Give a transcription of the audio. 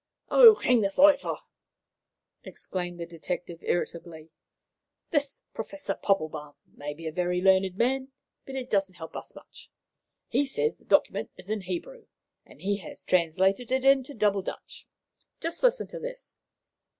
"Oh, hang the cipher!" exclaimed the detective irritably. "This Professor Poppelbaum may be a very learned man, but he doesn't help us much. He says the document is in Hebrew, and he has translated it into Double Dutch. Just listen to this!"